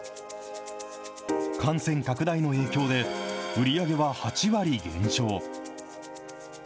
感染拡大の影響で、売り上げは８割減少。